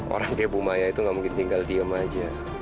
orang dia bumaya itu gak mungkin tinggal diem aja